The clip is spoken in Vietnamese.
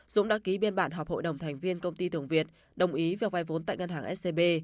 dũng đã ký biên bản họp hội đồng thành viên công ty tường việt đồng ý việc vai vốn tại ngân hàng scb